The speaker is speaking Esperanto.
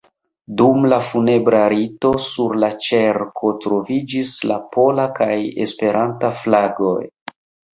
Dum la funebra rito, sur la ĉerko troviĝis la pola kaj Esperanta flagoj.